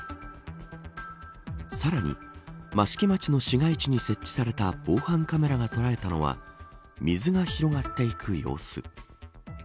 さらに益城町の市街地に設置された防犯カメラが捉えたのは水が広がっていく様子。